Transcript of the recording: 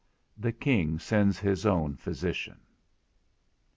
_The King sends his own physician.